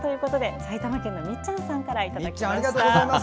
埼玉県のみっちゃんさんからいただきました。